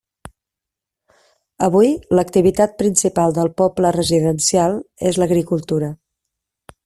Avui, l'activitat principal del poble residencial és l'agricultura.